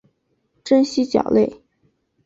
真蜥脚类。